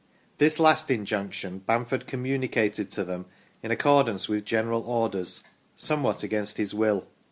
This last injunction Bamford communicated to them, in accordance with general orders, somewhat against his will.